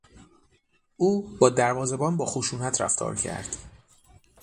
او با دروازهبان با خشونت رفتار کرد.